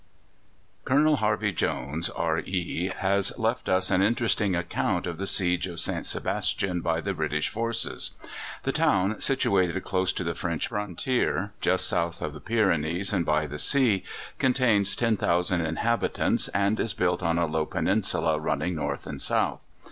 Colonel Harvey Jones, R.E., has left us an interesting account of the siege of St. Sebastian by the British forces. The town, situated close to the French frontier, just south of the Pyrenees and by the sea, contains 10,000 inhabitants, and is built on a low peninsula running north and south.